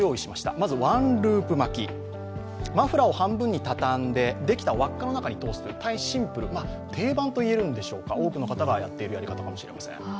まずワンループ巻きマフラーを半分にたたんで、できた輪っかの中に通す大変シンプル、定番といえるんでしょうか、多くの方がやっているやり方かもしれません。